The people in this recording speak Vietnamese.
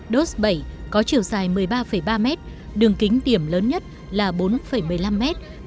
do bảy có chiều dài một mươi ba ba mét đường kính điểm lớn nhất là bốn một mươi năm mét